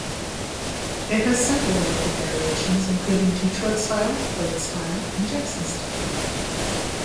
It has several local variations, including Detroit style, Flint style, and Jackson style.